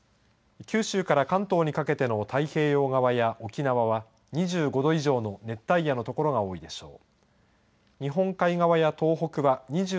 九州から関東にかけての太平洋側や沖縄は２５度以上の熱帯夜の所が多いでしょう。